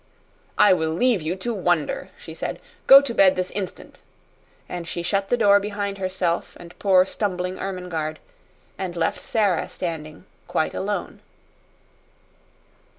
"I will leave you to wonder," she said. "Go to bed this instant." And she shut the door behind herself and poor stumbling Ermengarde, and left Sara standing quite alone.